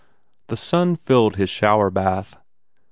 The sun filled his showerbath.